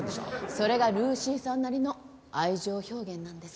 それがルーシーさんなりの愛情表現なんです。